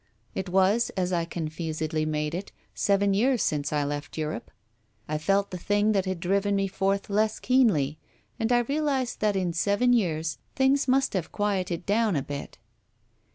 It was, as I confusedly made it, seven years since I left Europe. I felt the thing that had driven me forth less keenly, and I realized that in seven years things must have quieted down a bit.